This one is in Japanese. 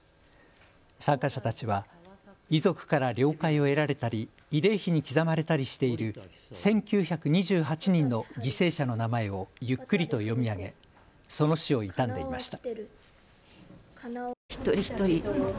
参加者たちは遺族から了解を得られたり慰霊碑に刻まれたりしている１９２８人の犠牲者の名前をゆっくりと読み上げその死を悼んでいました。